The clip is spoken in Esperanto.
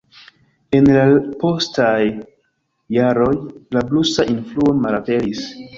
En la postaj jaroj la blusa influo malaperis.